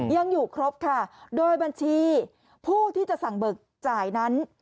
ยังอยู่ครบค่ะโดยบัญชีผู้ที่จะสั่งเบิกจ่ายนั้น